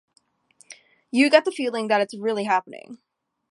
You get the feeling that it's really happening.